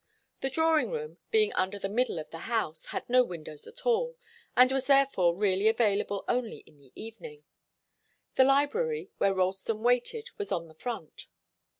The drawing room, being under the middle of the house, had no windows at all, and was therefore really available only in the evening. The library, where Ralston waited, was on the front.